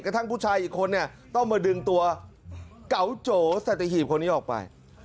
ทั้งผู้ชายอีกคนเนี่ยต้องมาดึงตัวเก๋าโจสัตหีบคนนี้ออกไป